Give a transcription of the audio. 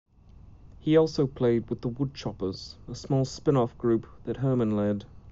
He also played with the Woodchoppers, a small spin-off group that Herman led.